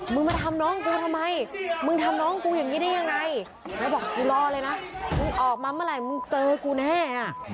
มาทำน้องกูทำไมมึงทำน้องกูอย่างนี้ได้ยังไงแล้วบอกกูรอเลยนะมึงออกมาเมื่อไหร่มึงเจอกูแน่